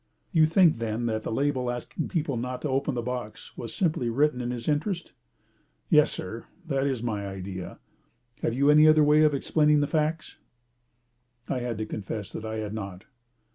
"You think, then, that the label asking people not to open the box was simply written in his interest?" "Yes, sir, that is my idea. Have you any other way of explaining the facts?" I had to confess that I had not.